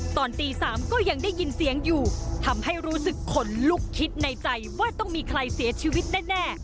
ตอนตี๓ก็ยังได้ยินเสียงอยู่ทำให้รู้สึกขนลุกคิดในใจว่าต้องมีใครเสียชีวิตแน่